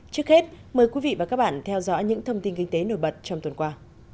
trước hết mời quý vị và các bạn theo dõi những thông tin kinh tế nổi bật trong tuần qua